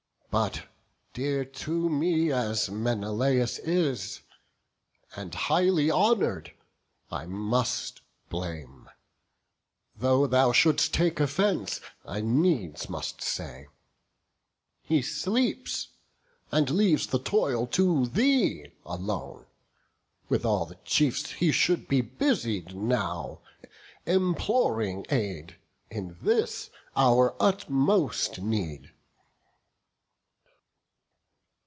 But, dear to me as Menelaus is, And highly honour'd, I must blame, that thus (Though thou shouldst take offence, I needs must say) He sleeps, and leaves the toil to thee alone. With all the chiefs he should be busied now, Imploring aid, in this our utmost need."